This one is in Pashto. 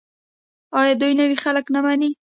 آیا دوی نوي خلک نه مني؟